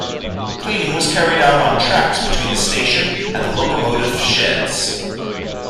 Cleaning was carried out on tracks between the station and the locomotive sheds.